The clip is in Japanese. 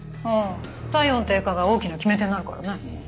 ああ体温低下が大きな決め手になるからね。